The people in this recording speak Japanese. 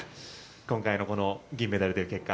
今回のこの銀メダルという結果。